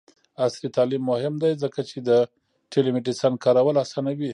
عصري تعلیم مهم دی ځکه چې د ټیلی میډیسین کارول اسانوي.